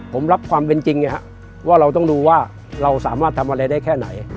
ผมรับความเป็นจริงว่าเราต้องดูว่าเราสามารถทำอะไรได้แค่ไหน